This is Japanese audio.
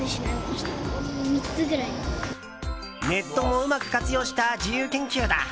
ネットもうまく活用した自由研究だ。